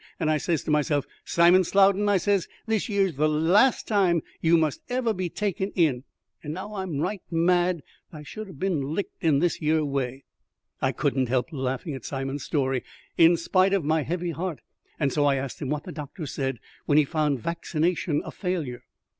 And I says to myself, 'Simon Slowden,' I says, 'this yer is the last time you must be ever taken in;' and now I'm right mad that I should 'a bin licked in this yer way." I could not help laughing at Simon's story, in spite of my heavy heart, and so I asked him what the doctor said when he found vaccination a failure.